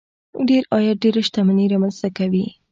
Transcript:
ډېر عاید ډېره شتمني رامنځته کوي.